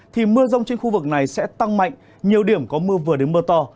thì mưa rông trên khu vực này sẽ tăng mạnh nhiều điểm có mưa vừa đến mưa to